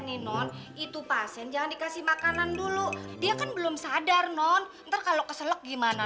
nih non itu pasien jangan dikasih makanan dulu dia kan belum sadar non entar kalau keselek gimana